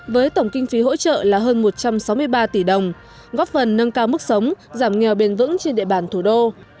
với tổng kinh phí hỗ trợ là hơn một trăm sáu mươi ba tỷ đồng góp phần nâng cao mức sống giảm nghèo bền vững trên địa bàn thủ đô